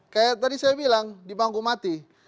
kayak tadi saya bilang di bangku mati